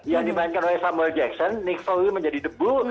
yang dimainkan oleh samuel jackson nick volley menjadi debu